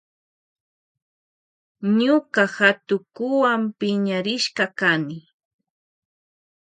Ñuka hatukuwa piñarishka kani.